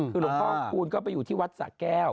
คือหลวงพ่อคูณก็ไปอยู่ที่วัดสะแก้ว